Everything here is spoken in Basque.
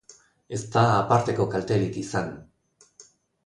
Ez da aparteko kalterik izan.